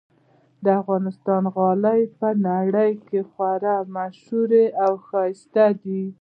افغان غالۍ په نړۍ کې خورا ممشهوري اوښایسته دي